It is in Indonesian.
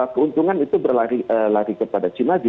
keuntungan itu berlari kepada china